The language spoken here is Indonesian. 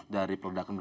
dari peledakan kapal